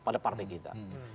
pada partai kita